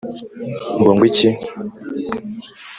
ngo ngwiki?!